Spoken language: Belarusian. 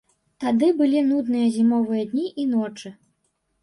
Тады былі нудныя зімовыя дні і ночы.